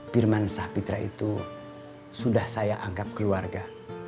pirmansa fitra itu sudah saya anggap keluarga